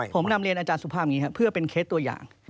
ผมนำเรียนอาจารย์สุภาพอย่างนี้ครับเพื่อเป็นเคสตัวอย่าง